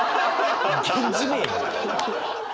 源氏名やん！